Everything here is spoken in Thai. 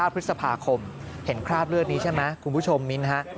พฤษภาคมเห็นคราบเลือดนี้ใช่ไหมคุณผู้ชมมิ้นฮะ